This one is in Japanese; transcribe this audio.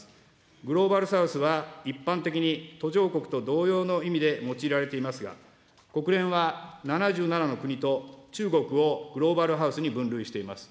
グローバルサウスは一般的に、途上国と同様の意味で用いられていますが、国連は７７の国と中国をグローバルサウスに分類しています。